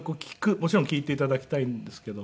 もちろん聴いて頂きたいんですけど。